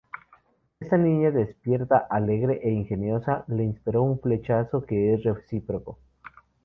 Esta niña "despierta, alegre e ingeniosa" le inspiró un flechazo que es recíproco.